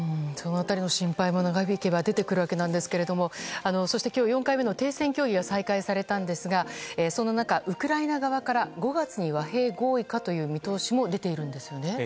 その辺りの心配も長引けば出てくるんですけどもそして今日４回目の停戦協議が再開されたんですがそんな中、ウクライナ側から５月に和平合意かという見通しも出ているんですよね。